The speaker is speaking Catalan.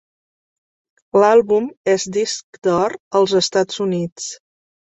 L'àlbum és disc d'or als Estats Units.